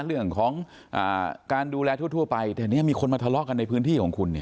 เรื่องของการดูแลทั่วไปแต่เนี่ยมีคนมาทะเลาะกันในพื้นที่ของคุณเนี่ย